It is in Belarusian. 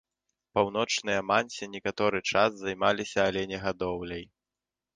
Паўночныя мансі некаторы час займаліся аленегадоўляй.